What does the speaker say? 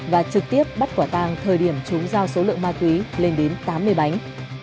và trực tiếp bắt quả tang thời điểm chúng giao số lượng ma túy lên đến tám mươi bánh